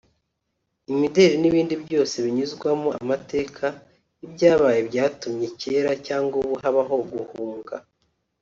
imideli n’ibindi byose binyuzwamo amateka y’ibyabaye byatumye kera cyangwa ubu habaho guhunga